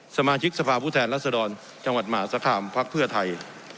สมาชิกสภาพุทธแหลศดรจังหวัดหมาสคามพรรคเพื่อไทย